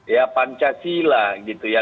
ya pancasila gitu ya